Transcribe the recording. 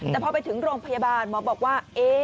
แต่พอไปถึงโรงพยาบาลหมอบอกว่า